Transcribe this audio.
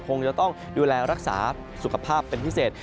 คงจะต้องดูแลรักษาสุขภาพเป็นพิเศษ